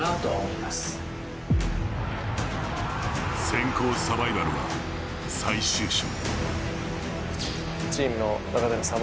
選考サバイバルが最終章。